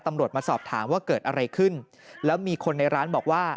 มาสอบถามว่าเกิดอะไรขึ้นแล้วมีคนในร้านบอกว่า